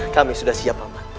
kami sudah siap